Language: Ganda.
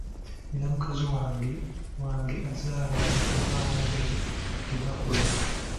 Nina mukazi wange wange azaala naye abaana be tebakula.